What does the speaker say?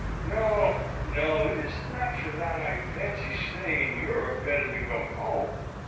No! no! It is not for that I fancy staying in Europe better than going home.